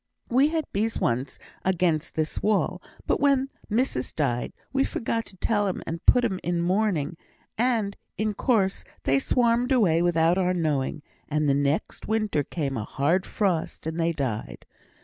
We had bees once against this wall; but when missus died, we forgot to tell 'em, and put 'em in mourning, and, in course, they swarmed away without our knowing, and the next winter came a hard frost, and they died.